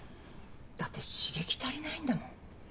だって刺激足りないんだもん。